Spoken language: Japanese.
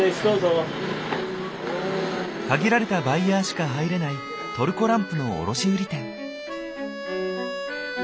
限られたバイヤーしか入れないトルコランプの卸売り店。